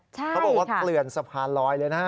เขาบอกว่าเกลื่อนสะพานลอยเลยนะฮะ